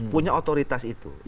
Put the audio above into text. punya otoritas itu